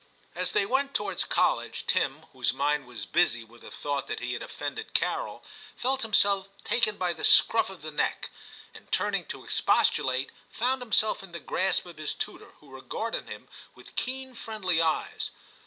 As they went towards College, Tim, whose mind was busy with the thought that he had offended Carol, felt himself taken by the scruff of the neck, and turning to expostulate, found himself in the grasp of his tutor, who regarded him with keen friendly eyes.